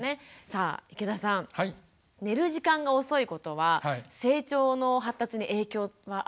さあ池田さん寝る時間が遅いことは成長の発達に影響はあるんですか？